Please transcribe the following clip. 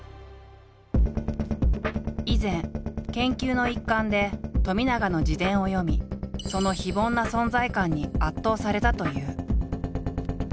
以前研究の一環で冨永の自伝を読みその非凡な存在感に圧倒されたという。